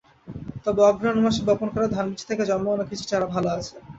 তবে অগ্রহায়ণ মাসে বপন করা ধানবীজ থেকে জন্মানো কিছু চারা ভালো আছে।